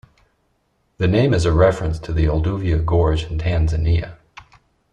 The name is a reference to the Olduvai Gorge in Tanzania.